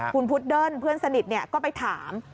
คุณพุดเดิ้ลเพื่อนสนิทก็ไปถาม